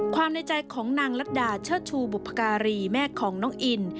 ในใจของนางลัดดาเชิดชูบุพการีแม่ของน้องอิน